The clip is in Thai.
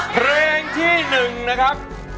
เพลงที่หนึ่งนะครับ